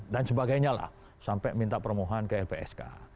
dan sebagainya lah sampai minta permohonan ke lpsk